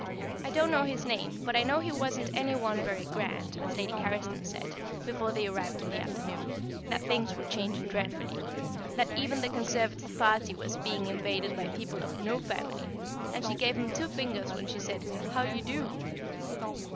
I don't know his name, but I know he wasn't any one very grand, as Lady Carriston said, before they arrived in the afternoon, that things were changing dreadfully; that even the Conservative party was being invaded by people of no family; and she gave him two fingers when she said "How d'ye do?"